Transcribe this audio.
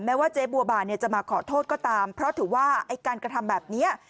ว่าเจ๊บัวบานจะมาขอโทษก็ตามเพราะถือว่าไอ้การกระทำแบบนี้